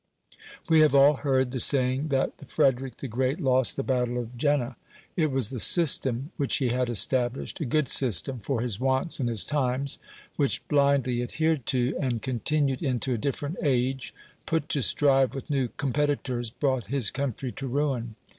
We have all heard the saying that "Frederic the Great lost the battle of Jena". It was the system which he had established a good system for his wants and his times which, blindly adhered to, and continued into a different age, put to strive with new competitors, brought his country to ruin.